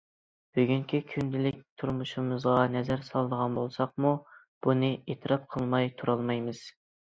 بۈگۈنكى كۈندىلىك تۇرمۇشىمىزغا نەزەر سالىدىغان بولساقمۇ بۇنى ئېتىراپ قىلماي تۇرالمايمىز.